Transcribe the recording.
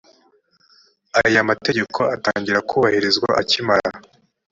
aya mategeko atangira kubahirizwa akimara